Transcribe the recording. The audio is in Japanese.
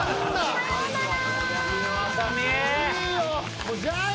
さようなら。